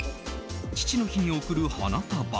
父の日に送る花束。